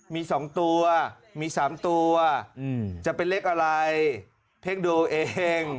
มี๒ตัวมี๓ตัวจะเป็นเลขอะไรเพ่งดูเอง